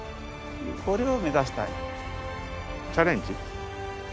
これを目指したいチャレンジ